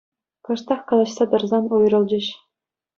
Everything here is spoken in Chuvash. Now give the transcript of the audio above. Кӑштах калаҫса тӑрсан уйрӑлчӗҫ.